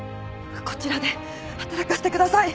こちらで働かせてください！